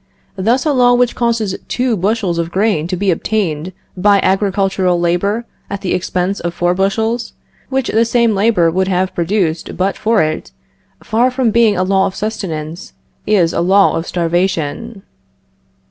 Thus a law which causes two bushels of grain to be obtained by agricultural labor at the expense of four bushels, which the same labor would have produced but for it, far from being a law of sustenance, is a law of starvation.